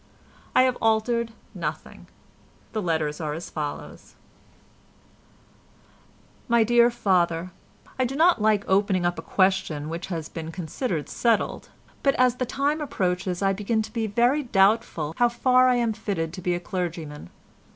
I have altered nothing. The letters are as follows:— "My dear Father,—I do not like opening up a question which has been considered settled, but as the time approaches I begin to be very doubtful how far I am fitted to be a clergyman.